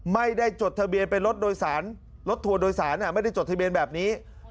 ไม่ได้จดทะเบียนเป็นรถโดยสารรถทัวร์โดยสารไม่ได้จดทะเบียนแบบนี้